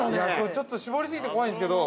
◆ちょっと絞りすぎて怖いんですけど。